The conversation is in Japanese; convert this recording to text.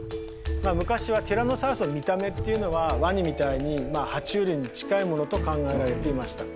昔はティラノサウルスの見た目っていうのはワニみたいには虫類に近いものと考えられていました。